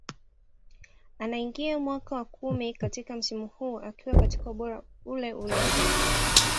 Anaingia mwaka wa kumi katika msimu huu akiwa katika ubora ule ule Simba